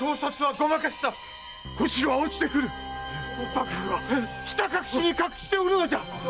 幕府はひた隠しに隠しておるのじゃ！